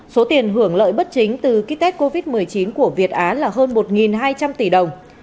số tiền hưởng lợi bất chính từ kit test covid một mươi chín của việt án là hơn một hai trăm linh tỷ đồng